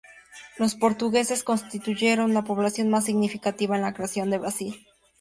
Los portugueses constituyeron la población más significativa en la creación de Brasil.